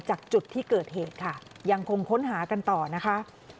จากจุดที่เกิดเหตุค่ะยังคงค้นหากันต่อนะคะ